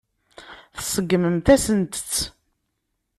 Tseggmemt-asent-tt.